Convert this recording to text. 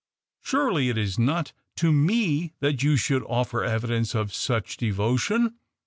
Surely it is not to me that you should offer evidence of such devotion.